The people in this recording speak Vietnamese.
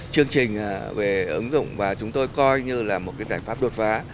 chương trình về ứng dụng và chúng tôi coi như là một giải pháp đột phá